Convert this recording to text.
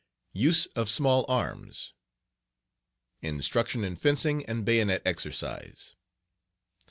Use of Small Arms.........Instruction in Fencing and Bayonet Exercise.